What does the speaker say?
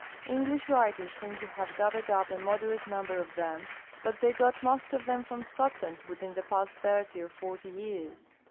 English writers seem to have gathered up a moderate number of them, but they got most of them from Scotland within the past thirtj' or forty years.